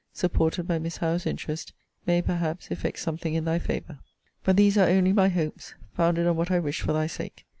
supported by Miss Howe's interest, may, perhaps, effect something in thy favour. But these are only my hopes, founded on what I wish for thy sake.